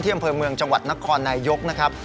อำเภอเมืองจังหวัดนครนายยกนะครับ